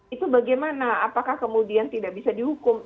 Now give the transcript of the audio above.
itu bagaimana apakah kemudian tidak bisa dihukum